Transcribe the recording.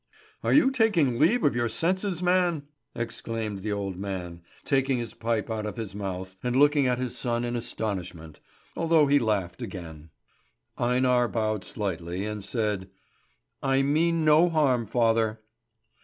"Are you taking leave of your senses, man?" exclaimed the old man, taking his pipe out of his mouth and looking at his son in astonishment, although he laughed again. Einar bowed slightly, and said, "I mean no harm, father."